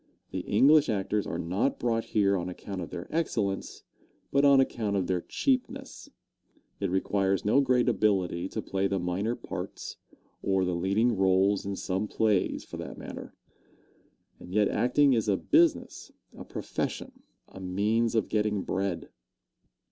The English actors are not brought here on account of their excellence, but on account of their cheapness. It requires no great ability to play the minor parts, or the leading roles in some plays, for that matter. And yet acting is a business, a profession, a means of getting bread.